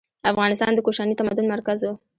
افغانستان د کوشاني تمدن مرکز و.